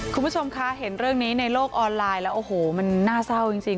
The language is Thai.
คุณผู้ชมคะเห็นเรื่องนี้ในโลกออนไลน์แล้วโอ้โหมันน่าเศร้าจริง